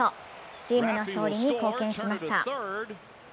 チームの勝利に貢献しました。